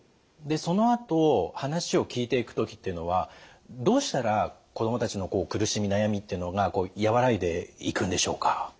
そのあと話を聞いていく時っていうのはどうしたら子どもたちの苦しみ悩みっていうのが和らいでいくんでしょうか？